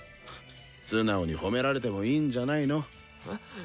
素直に褒められてもいいんじゃないの？